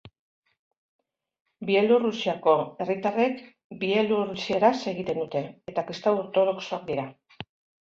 Bielorrusiako herritarrek bielorrusieraz egiten dute eta kristau ortodoxoak dira.